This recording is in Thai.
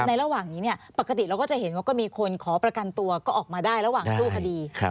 ระหว่างนี้เนี่ยปกติเราก็จะเห็นว่าก็มีคนขอประกันตัวก็ออกมาได้ระหว่างสู้คดี